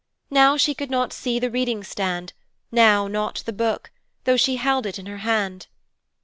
Now she could not see the reading stand, now not the Book, though she held it in her hand.